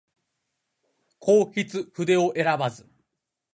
弘法筆を選ばず